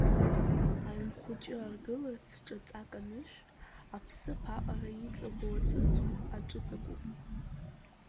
Аҩнхәыҷы аргыларц ҿаҵак анышә, аԥсыԥ аҟара иҵаӷоу аҵысхә, аҿыҵакуп.